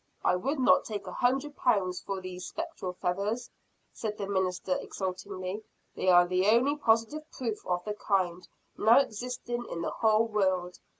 "I would not take a hundred pounds for these spectral feathers," said the minister exultingly. "They are the only positive proof of the kind, now existing in the whole world.